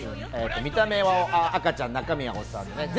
見た目は赤ちゃん、中身はおっさん。